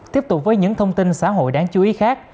tiếp tục với những thông tin xã hội đáng chú ý khác